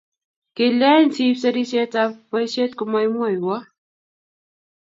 kilyan siib serisietab boisiet ko maimwowo?